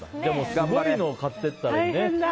すごいのを買っていったらね。